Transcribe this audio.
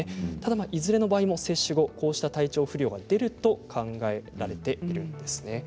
いずれの場合も接種後こうした体調不良が出ると考えられています。